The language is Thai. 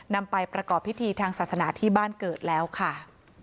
นำไปประกอบพิธีทางศาสนาที่บ้านเกิดแล้วค่ะ